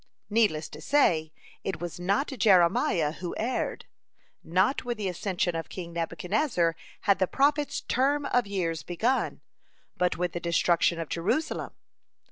Needless to say, it was not Jeremiah who erred. Not with the accession of King Nebuchadnezzar had the prophet's term of years begun, but with the destruction of Jerusalem.